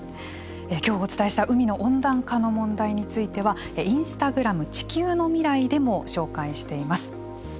今日お伝えした海の温暖化の問題についてはインスタグラム「地球のミライ」でも紹介しています。